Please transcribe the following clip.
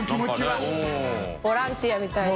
淵Εぅボランティアみたいな。